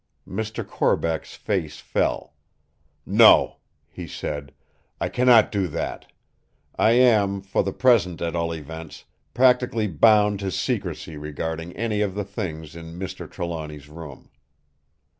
Mr. Corbeck's face fell. "No!" he said, "I cannot do that! I am, for the present at all events, practically bound to secrecy regarding any of the things in Mr. Trelawny's room."